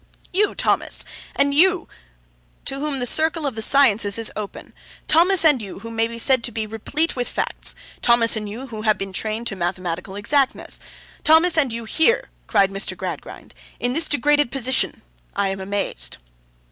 'You! Thomas and you, to whom the circle of the sciences is open; Thomas and you, who may be said to be replete with facts; Thomas and you, who have been trained to mathematical exactness; Thomas and you, here!' cried Mr. Gradgrind. 'In this degraded position! I am amazed.